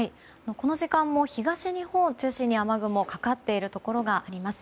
この時間も東日本を中心に雨雲がかかっているところがあります。